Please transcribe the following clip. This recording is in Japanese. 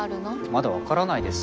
まだわからないです